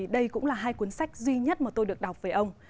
đây cũng là hai cuốn sách duy nhất mà tôi được đọc về ông